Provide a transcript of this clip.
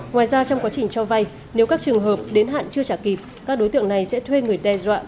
ngoài ra trong quá trình cho vay nếu các trường hợp đến hạn chưa trả kịp các đối tượng này sẽ thuê người đe dọa